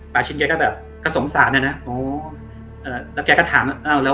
ปาชินทรัพย์เก๊ก็แบบก็สงสารนะแล้วแกก็ถาม